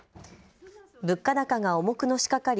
物価高が重くのしかかり